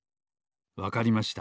わかりました。